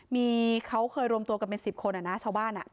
มีเค้าเคยรวมตัวกับเป็น๑๐คนอ่ะนะชาวบ้านอ่ะ